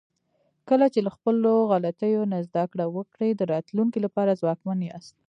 کله چې له خپلو غلطیو نه زده کړه وکړئ، د راتلونکي لپاره ځواکمن یاست.